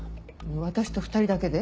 私と２人だけで？